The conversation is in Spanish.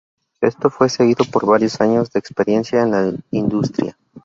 Esto fue seguido por varios años de experiencia en la industria.